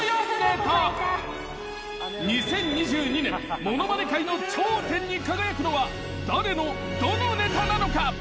２０２２年ものまね界の頂点に輝くのは誰のどのネタなのか？